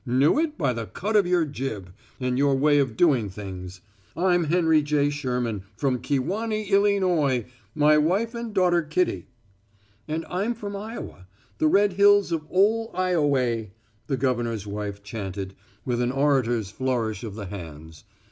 "Knew it by the cut of your jib and your way of doing things. I'm Henry J. Sherman, from Kewanee, Illynoy my wife and daughter Kitty." "And I'm from Iowa the red hills of ole Ioway," the governor's wife chanted, with an orator's flourish of the hands.